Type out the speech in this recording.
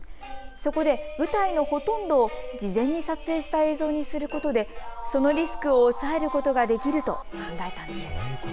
そこで舞台のほとんどを事前に撮影した映像にすることでそのリスクを抑えることができると考えたんです。